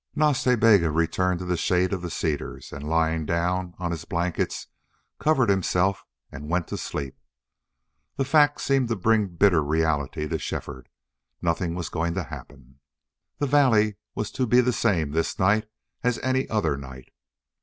Nas Ta Bega returned to the shade of the cedars and, lying down on his blankets, covered himself and went to sleep. The fact seemed to bring bitter reality to Shefford. Nothing was going to happen. The valley was to be the same this night as any other night.